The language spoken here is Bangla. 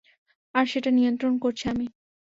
আর সেটা নিয়ন্ত্রণ করছি আমি।